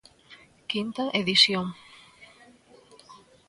Quinta edición.